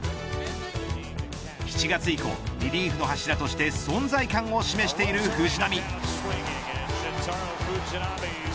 ７月以降、リリーフの柱として存在感を示している藤浪。